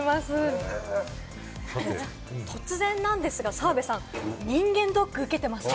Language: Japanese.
突然なんですが澤部さん、人間ドック受けていますか？